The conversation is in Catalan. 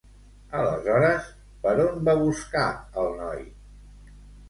Aleshores, per on va buscar el noi?